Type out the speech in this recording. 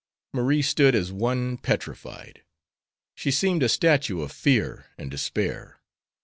Marie stood as one petrified. She seemed a statue of fear and despair.